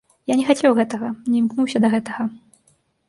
Я не хацеў гэтага, не імкнуўся да гэтага.